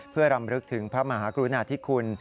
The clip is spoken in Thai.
เพื่อรำลึกถึงพระมหากรุณาธิคุณ